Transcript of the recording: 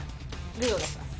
グーを出します。